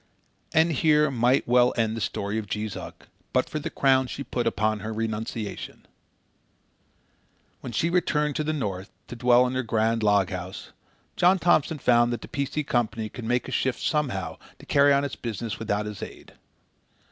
And here might well end the story of Jees Uck but for the crown she put upon her renunciation. When she returned to the North to dwell in her grand log house, John Thompson found that the P. C. Company could make a shift somehow to carry on its business without his aid.